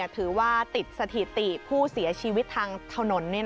ถือว่าติดสถิติผู้เสียชีวิตทางถนน